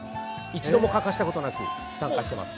一度も欠かしたことなく参加しています。